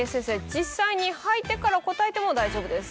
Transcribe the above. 実際に履いてから答えても大丈夫です。